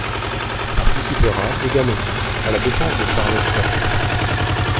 Il participera également à la défense de Charlotte Corday.